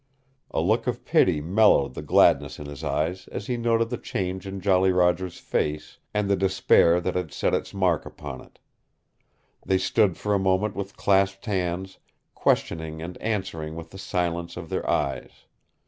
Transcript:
A look of pity mellowed the gladness in his eyes as he noted the change in Jolly Roger's face, and the despair that had set its mark upon it. They stood for a moment with clasped hands, questioning and answering with the silence of their eyes.